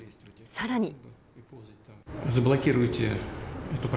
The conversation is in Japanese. さらに。